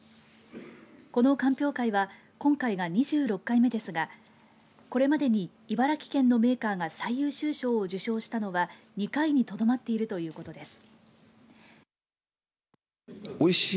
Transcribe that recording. この鑑評会は今回が２６回目ですがこれまでに茨城県のメーカーが最優秀賞を受賞したのは２回にとどまっているということです。